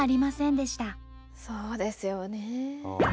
そうですよね。